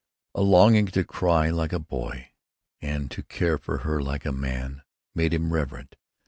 A longing to cry like a boy, and to care for her like a man, made him reverent.